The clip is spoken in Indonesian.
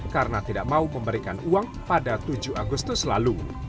karena tidak mau memberikan uang pada tujuh agustus lalu